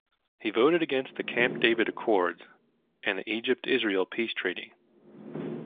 He voted against the Camp David Accords and the Egypt-Israel Peace Treaty.